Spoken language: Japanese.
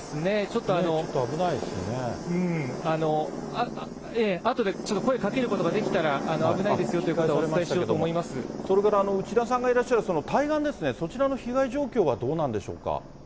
ちょっと、あとで、ちょっと声かけることができたら、危ないですよということ、お伝えそれから内田さんがいらっしゃる対岸ですね、そちらの被害状況はどうなんでしょうか。